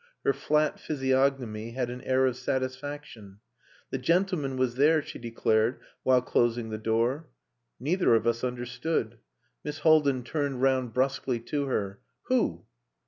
Her flat physiognomy had an air of satisfaction. The gentleman was there, she declared, while closing the door. Neither of us understood. Miss Haldin turned round brusquely to her. "Who?"